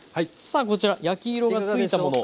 さあこちら焼き色がついたもの。